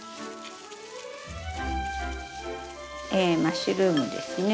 マッシュルームですね。